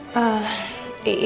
nanti dia nangis